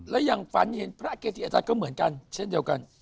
และยังฝันเห็นพระเกจิอาจารย์ก็เหมือนกันเช่นเดียวกัน